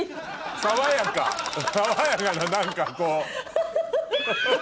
爽やか爽やかな何かこう。